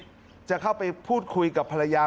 แล้วค่อนข้างเลยจะเข้าไปพูดคุยกับภรรยา